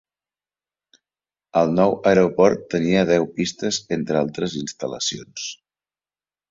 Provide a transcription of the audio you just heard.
El nou aeroport tenia deus pistes entre altres instal·lacions.